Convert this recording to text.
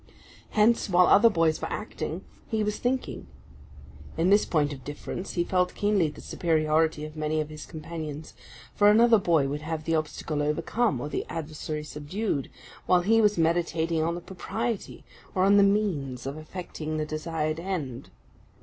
Hence, while other boys were acting, he was thinking. In this point of difference, he felt keenly the superiority of many of his companions; for another boy would have the obstacle overcome, or the adversary subdued, while he was meditating on the propriety, or on the means, of effecting the desired end.